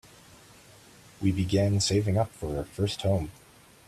We began saving up for our first home.